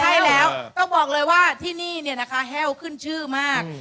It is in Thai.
ใช่แล้วต้องบอกเลยว่าที่นี่เนี่ยนะคะแห้วขึ้นชื่อมาก